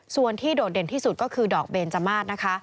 ส่วนที่โดดเด่นที่สุดก็คือดอกเบนจมาสนะคะ